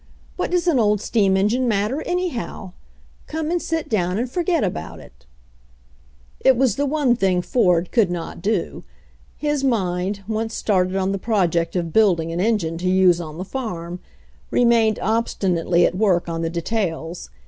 What does an old steam engine matter, anyhow ? Come and sit down and forget about it" It was the one thing Ford could not do. His mind, once started on the project of building an engine to use on the farm, remained obstinately at work on the details.